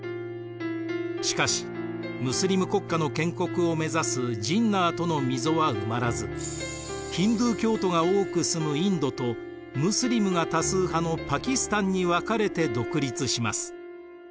しかしムスリム国家の建国を目指すジンナーとの溝は埋まらずヒンドゥー教徒が多く住むインドとムスリムが多数派のパキスタンに分かれて独立します。